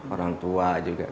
orang tua juga kan